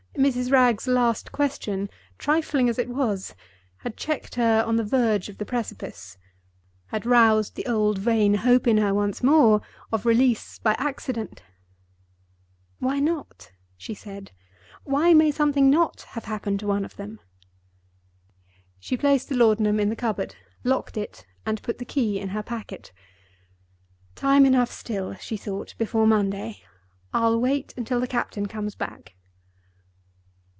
Mrs. Wragge's last question, trifling as it was, had checked her on the verge of the precipice—had roused the old vain hope in her once more of release by accident. "Why not?" she said. "Why may something not have happened to one of them?" She placed the laudanum in the cupboard, locked it, and put the key in her pocket. "Time enough still," she thought, "before Monday. I'll wait till the captain comes back."